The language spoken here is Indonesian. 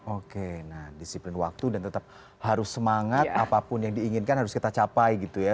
oke nah disiplin waktu dan tetap harus semangat apapun yang diinginkan harus kita capai gitu ya